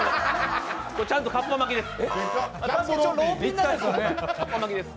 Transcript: ちゃんとカッパ巻きです。